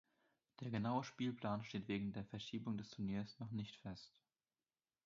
Der genaue Spielplan steht wegen der Verschiebung des Turniers noch nicht fest.